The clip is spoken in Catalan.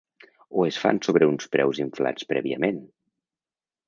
O es fan sobre uns preus inflats prèviament?